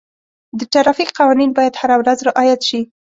د ټرافیک قوانین باید هره ورځ رعایت شي.